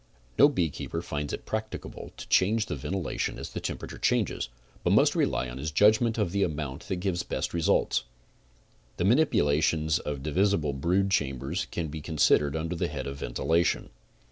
No beekeeper finds it practicable to change the ventilation as the temperature changes, but must rely on his judgment of the amount that gives best results. The manipulations of divisible brood chambers can be con sidered under the head of ventilation.